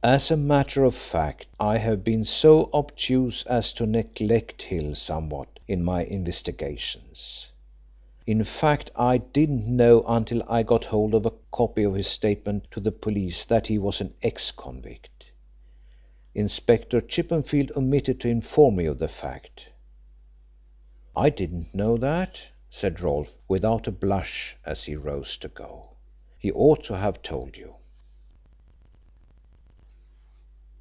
As a matter of fact I have been so obtuse as to neglect Hill somewhat in my investigations. In fact, I didn't know until I got hold of a copy of his statement to the police that he was an ex convict. Inspector Chippenfield omitted to inform me of the fact." "I didn't know that," said Rolfe, without a blush, as he rose to go. "He ought to have told you."